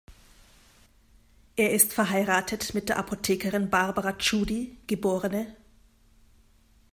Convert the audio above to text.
Er ist verheiratet mit der Apothekerin Barbara Tschudi geb.